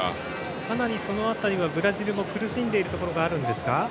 かなりその辺りブラジルも苦しんでるところがあるんですか。